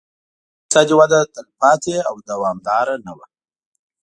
خو دا اقتصادي وده تلپاتې او دوامداره نه وه